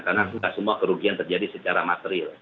karena tidak semua kerugian terjadi secara material